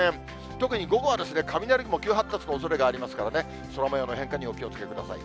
特に午後は雷雲、急発達のおそれがありますからね、空もようの変化にお気をつけください。